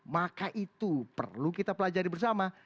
maka itu perlu kita pelajari bersama